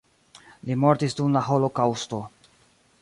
Li mortis dum la holokaŭsto.